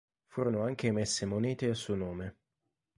Furono anche emesse monete a suo nome.